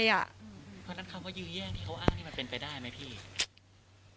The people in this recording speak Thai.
เพราะฉะนั้นคำว่ายื้อแย่งที่เขาอ้างนี่มันเป็นไปได้ไหมพี่